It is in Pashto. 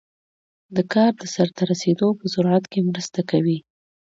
د کار د سرته رسیدو په سرعت کې مرسته کوي.